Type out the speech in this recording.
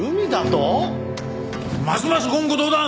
ますます言語道断！